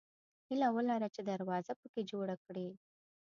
هیله ولره چې دروازه پکې جوړه کړې.